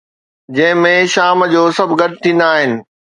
جنهن ۾ شام جو سڀ گڏ ٿيندا آهن